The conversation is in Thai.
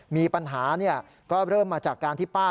มีปัญหาก็เริ่มมาจากการที่ป้า